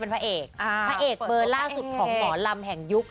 พระเอกพระเอกเบอร์ล่าสุดของหมอลำแห่งยุค